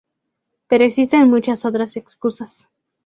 Pero existen muchas otras causas.